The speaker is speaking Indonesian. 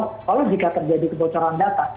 kalau jika terjadi kebocoran data